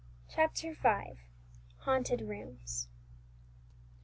CHAPTER V. HAUNTED ROOMS.